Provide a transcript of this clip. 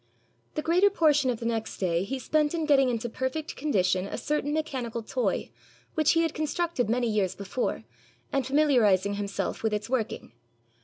The greater portion of the next day he spent in getting into perfect condition a certain mechanical toy which he had constructed many years before, and familiarising himself with its working.